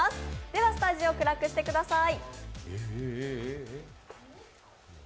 では、スタジオ暗くしてください。